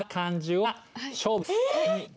はい。